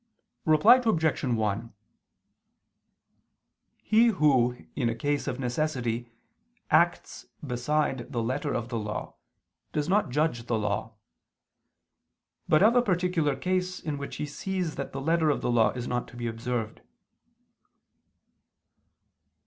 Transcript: Reply Obj. 1: He who in a case of necessity acts beside the letter of the law, does not judge the law; but of a particular case in which he sees that the letter of the law is not to be observed.